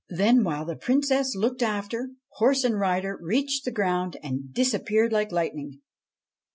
Then, while the Princess looked after, horse and rider reached the ground and disappeared like lightning.